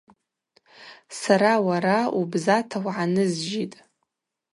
Сара уара убзата угӏанызжьитӏ.